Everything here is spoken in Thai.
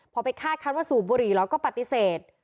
พอไปคาดคันว่าสูบบุหรี่แล้วก็ปฏิเสธ